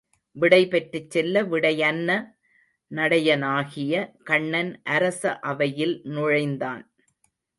விடைபெற்றுச் செல்ல விடையன்ன நடையனாகிய கண்ணன் அரச அவையில் நுழைந்தான்.